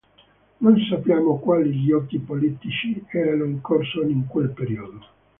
Non sappiamo quali giochi politici erano in corso in quel periodo.